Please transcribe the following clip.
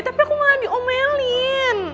tapi aku malah diomelin